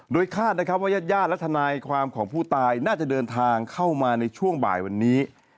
โดยคาดนะครับว่าญาติญาติและทนายความของผู้ตายน่าจะเดินทางเข้ามาในช่วงบ่ายวันนี้